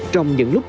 trong những lúc